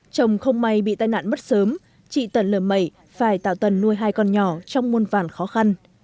chồng không may bị tai nạn mất sớm chị tần lừa mẩy phải tạo tần nuôi hai con nhỏ trong môn vạn khó khăn